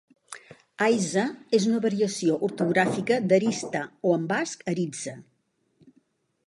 Aiza és una variació ortogràfica d'Arista, o en basc, Aritza.